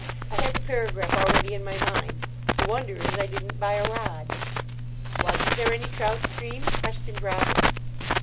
I had the paragraph already in my mind. The wonder is I didn't buy a rod." "Wasn't there any trout stream?" questioned Robin.